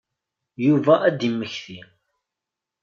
Yuba ad d-yemmekti.